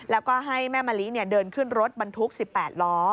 แล้วก็ให้แม่มะลิเดินขึ้นรถบรรทุก๑๘ล้อ